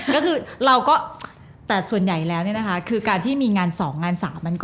ก็คือเราก็แต่ส่วนใหญ่แล้วเนี่ยนะคะคือการที่มีงาน๒งาน๓มันก็